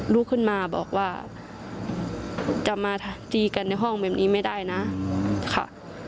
ลุกขึ้นมาบอกว่าจะมาตีกันในห้องแบบนี้ไม่ได้นะค่ะ